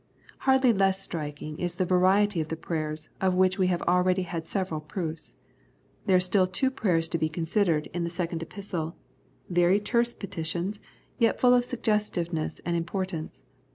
Hardly less striking is the variety of the prayers, of which we have already had several proofs. There are still two prayers to be considered in the second Epistle, very terse petitions, yet full of suggestiveness and im portance.